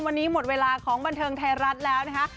วันนี้หมดเวลาของบันเทิงไทยรัฐแล้วนะคะ